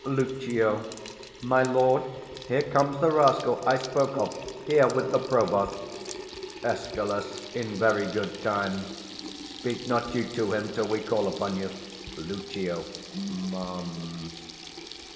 280 Lucio. My lord, here comes the rascal I spoke of; here with the provost. Escal. In very good time: speak not you to him till we call upon you. Lucio. Mum.